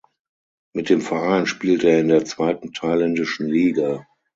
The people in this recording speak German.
Mit dem Verein spielte er in der zweiten thailändischen Liga.